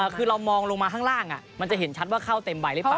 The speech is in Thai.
คือเรามองลงมาข้างล่างมันจะเห็นชัดว่าเข้าเต็มใบหรือเปล่า